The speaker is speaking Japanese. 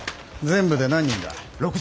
全部で何人だ。